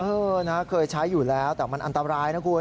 เออนะเคยใช้อยู่แล้วแต่มันอันตรายนะคุณ